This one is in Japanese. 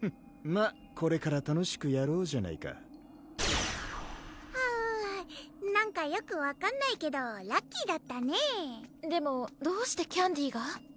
まぁこれから楽しくやろうじゃないかはうなんかよく分かんないけどラッキーだったねぇでもどうしてキャンディーが？